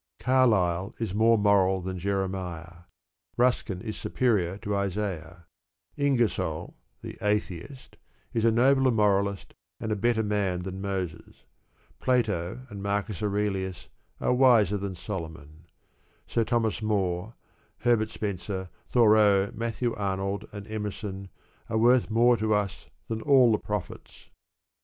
Carlyle is more moral than Jeremiah, Ruskin is superior to Isaiah; Ingersoll, the Atheist, is a nobler moralist and a better man than Moses; Plato and Marcus Aurelius are wiser than Solomon; Sir Thomas More, Herbert Spencer, Thoreau, Matthew Arnold, and Emerson are worth more to us than all the Prophets.